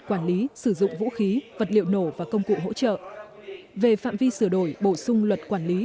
quản lý sử dụng vũ khí vật liệu nổ và công cụ hỗ trợ về phạm vi sửa đổi bổ sung luật quản lý